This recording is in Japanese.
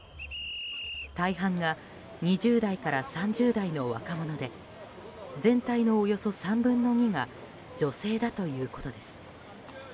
大半が２０代から３０代の若者で全体のおよそ３分の２が女性だということです。